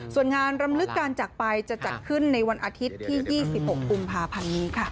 ส่วนงานรำลึกการจักรไปจะจัดขึ้นในวันอาทิตย์ที่๒๖กุมภาพันธ์นี้ค่ะ